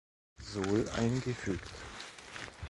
Sol eingefügt.